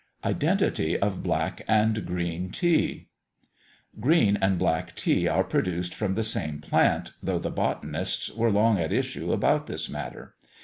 IDENTITY OF BLACK AND GREEN TEA. Green and Black Tea are produced from the same plant, though the botanists were long at issue about this matter.